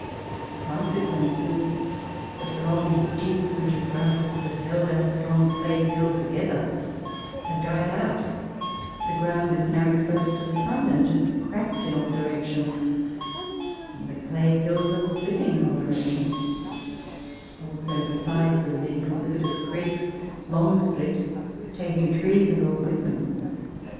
The consequence is that the long deep rooted grasses that held our strong clay hill together have died out; the ground is now exposed to the sun, and it has cracked in all directions, and the clay hills are slipping in all direc tions ; also the sides of precipitous creeks long slips, taking trees and all with them.